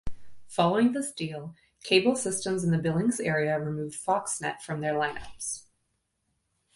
Following this deal, cable systems in the Billings area removed Foxnet from their lineups.